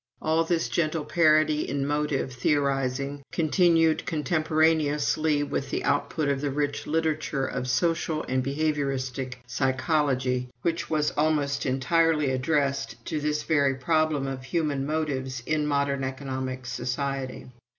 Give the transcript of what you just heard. All this gentle parody in motive theorizing continued contemporaneously with the output of the rich literature of social and behavioristic psychology which was almost entirely addressed to this very problem of human motives in modern economic society.